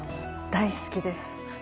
大好きです。